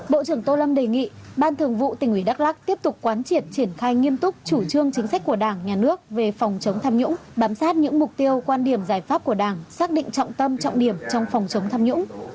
bộ trưởng tô lâm đề nghị ban thường vụ tỉnh ủy đắk lắc tiếp tục quán triệt triển khai nghiêm túc chủ trương chính sách của đảng nhà nước về phòng chống tham nhũng bám sát những mục tiêu quan điểm giải pháp của đảng xác định trọng tâm trọng điểm trong phòng chống tham nhũng